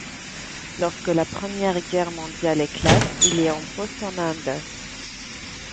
Lorsque la Première Guerre mondiale éclate, il est en poste en Inde.